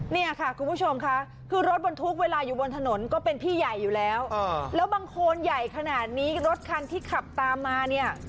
เนี่ยค่ะคุณผู้ชมค่ะคือรถบรรทุกเวลาอยู่บนถนนก็เป็นพี่ใหญ่อยู่แล้วแล้วบางคนใหญ่ขนาดนี้รถคันที่ขับตามมาเนี่ย